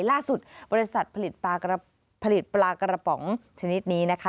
ล่าสุดบริษัทผลิตปลากระป๋องชนิดนี้นะคะ